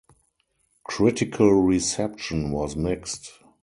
Critical reception was mixed.